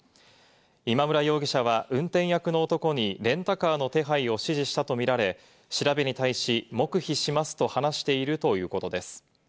今村容疑者は運転役の男にレンタカーの手配を指示したとみられ、調べに対し、黙秘しますと話しているということです。